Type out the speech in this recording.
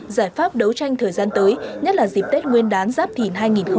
giải pháp đấu tranh thời gian tới nhất là dịp tết nguyên đán giáp thìn hai nghìn hai mươi bốn